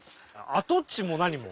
跡地も何も。